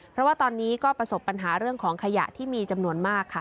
เพราะว่าตอนนี้ก็ประสบปัญหาเรื่องของขยะที่มีจำนวนมากค่ะ